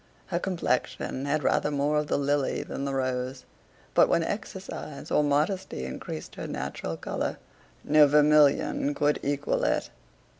Her complexion had rather more of the lily than of the rose; but when exercise or modesty increased her natural colour, no vermilion could equal it.